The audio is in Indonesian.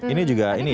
ini juga ini ya